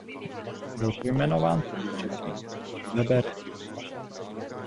Byl pojmenován podle řeky Weber River.